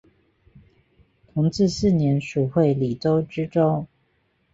同治四年署会理州知州。